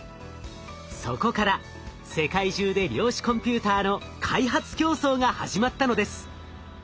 そこから世界中で量子コンピューターの開発競争が始まったのです。